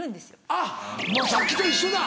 あっさっきと一緒だ。